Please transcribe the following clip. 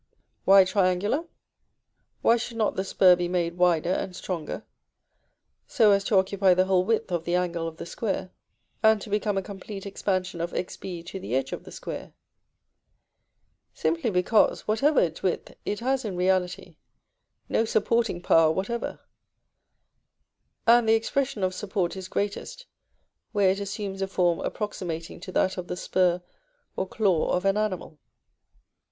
Why triangular? Why should not the spur be made wider and stronger, so as to occupy the whole width of the angle of the square, and to become a complete expansion of Xb to the edge of the square? Simply because, whatever its width, it has, in reality, no supporting power whatever; and the expression of support is greatest where it assumes a form approximating to that of the spur or claw of an animal.